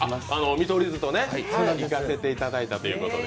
見取り図と行かせていただいたということで。